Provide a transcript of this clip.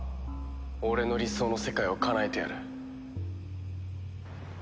俺の理想の世界をかなえてやる。